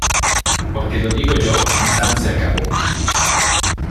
Porque lo digo yo y sanseacabó